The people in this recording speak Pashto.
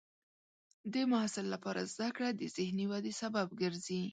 د محصل لپاره زده کړه د ذهني ودې سبب ګرځي.